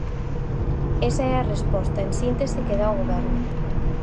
Esa é a resposta, en síntese, que dá o Goberno.